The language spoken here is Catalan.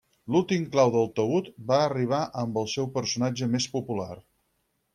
L'últim clau al taüt va arribar amb el seu personatge més popular.